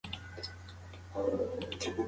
آیا ته پوهېږې چې تاریخ څه دی؟